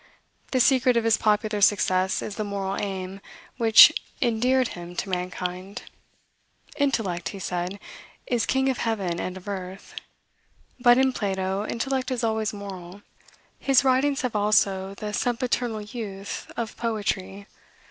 The secret of his popular success is the moral aim, which endeared him to mankind. "Intellect," he said, "is king of heaven and of earth;" but, in Plato, intellect is always moral. His writings have also the sempiternal youth of poetry.